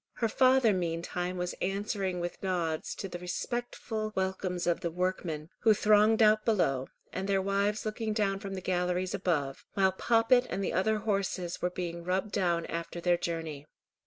Her father meantime was answering with nods to the respectful welcomes of the workmen, who thronged out below, and their wives looking down from the galleries above; while Poppet and the other horses were being rubbed down after their journey.